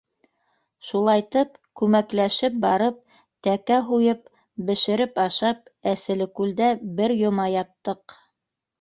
Шулайтып күмәкләшеп барып, тәкә һуйып бешереп ашап Әселекүлдә бер йома яттыҡ.